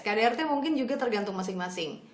kdrt mungkin juga tergantung masing masing